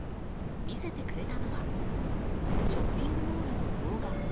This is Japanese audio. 見せてくれたのはショッピングモールの動画。